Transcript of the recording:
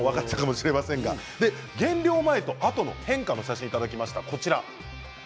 減量前とあとの変化の写真もいただきました。